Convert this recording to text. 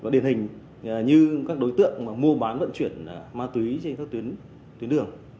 điển hình như các đối tượng mua bán vận chuyển ma túy trên các tuyến đường